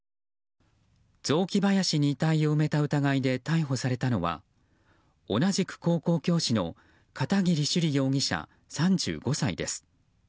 雑木林に遺体を埋めた疑いで逮捕されたのは同じく高校教師の片桐朱璃容疑者３５歳です。